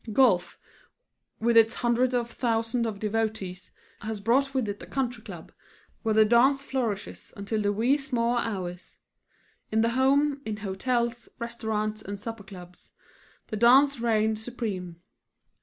Golf, with its hundreds of thousands of devotees, has brought with it the country club, where the dance flourishes until the wee sma' hours. In the home, in hotels, restaurants and supper clubs, the dance reigns supreme.